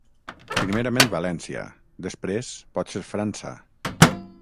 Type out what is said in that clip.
Primerament València, després potser França...